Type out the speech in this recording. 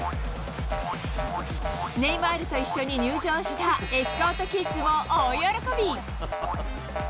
ネイマールと一緒に入場したエスコートキッズも大喜び。